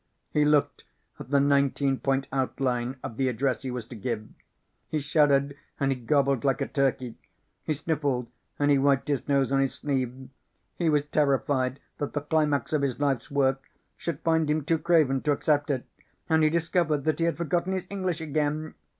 He looked at the nineteen point outline of the address he was to give. He shuddered and he gobbled like a turkey. He sniffled and he wiped his nose on his sleeve. He was terrified that the climax of his life's work should find him too craven to accept it. And he discovered that he had forgotten his English again.